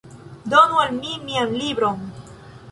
Donu al mi mian libron!